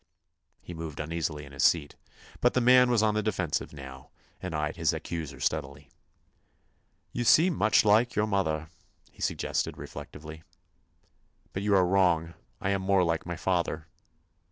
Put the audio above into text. He moved uneasily in his seat; but the man was on the defensive now, and eyed his accuser steadily. "You seem much like your mother," he suggested, reflectively. "But you are wrong; I am more like my father."